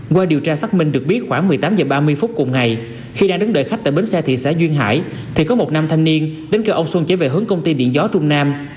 qua điều tra xác minh được biết khoảng một mươi tám h ba mươi phút cùng ngày khi đang đến đợi khách tại bến xe thị xã duyên hải thì có một nam thanh niên đến kêu ông xuân trở về hướng công ty điện gió trung nam